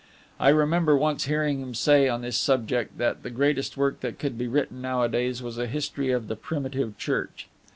I remember once hearing him say on this subject, that the greatest work that could be written nowadays was a History of the Primitive Church.